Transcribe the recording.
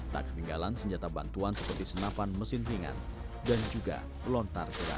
tak ketinggalan senjata bantuan seperti senapan mesin ringan dan juga lontar gerak